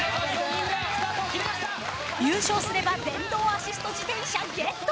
優勝すれば電動アシスト自転車ゲット！